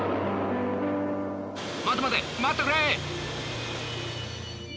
待て待て待ってくれ！